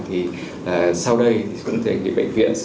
thì sau đây cũng có thể bị bệnh viện